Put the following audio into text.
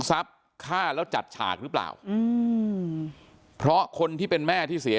ฆ่าแล้วจัดฉากหรือเปล่าอืมเพราะคนที่เป็นแม่ที่เสีย